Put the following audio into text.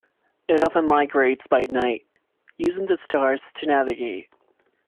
It often migrates by night, using the stars to navigate.